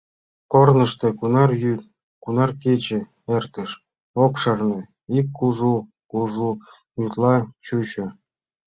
Корнышто кунар йӱд, кунар кече эртыш — ок шарне, ик кужу-кужу йӱдла чучо.